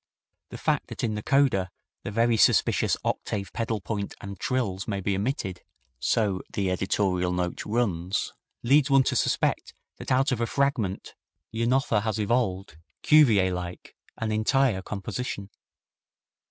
The fact that in the coda the very suspicious octave pedal point and trills may be omitted so the editorial note urns leads one to suspect that out of a fragment Janotha has evolved, Cuvier like, an entire composition.